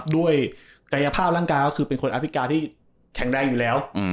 ด้วยกายภาพร่างกายก็คือเป็นคนแอฟริกาที่แข็งแรงอยู่แล้ว